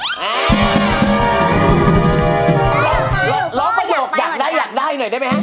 ได้หรือเปล่าลองประโยคอยากได้อยากได้หน่อยได้ไหมฮะ